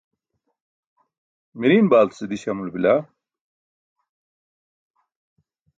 miriiṅ baaltase diś amulo bila?